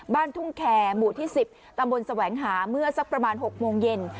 บ้านทุ่งแคร์หมู่ที่๑๐ตำบลแสวงหาเมื่อสักประมาณ๖โมงเย็น